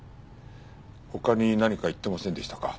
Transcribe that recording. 他に何か言ってませんでしたか？